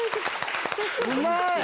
うまい！